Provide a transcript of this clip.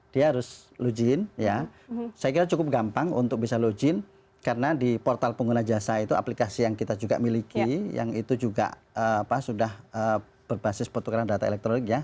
dia harus login ya saya kira cukup gampang untuk bisa login karena di portal pengguna jasa itu aplikasi yang kita juga miliki yang itu juga sudah berbasis pertukaran data elektronik ya